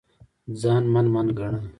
ځان من من ګڼل